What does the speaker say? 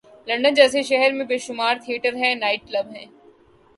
London جیسے شہرمیں بیشمار تھیٹر ہیں‘نائٹ کلب ہیں۔